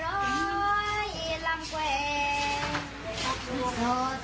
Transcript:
โทษใส่ตาเลถ้ายิ่งรักจริงหนึ่งน้ำ